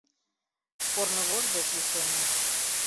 Корнывож дек лишеме.